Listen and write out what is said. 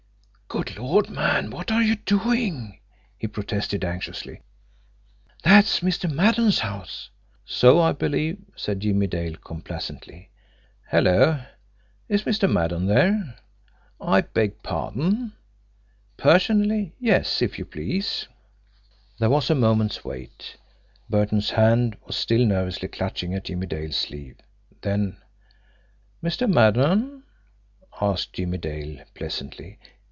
"Good Lord, man, what are you doing?" he protested anxiously. "That's Mr. Maddon's house!" "So I believe," said Jimmie Dale complacently. "Hello! Is Mr. Maddon there? ... I beg pardon? ... Personally, yes, if you please." There was a moment's wait. Burton's hand was still nervously clutching at Jimmie Dale's sleeve. Then: "Mr. Maddon?" asked Jimmie Dale pleasantly.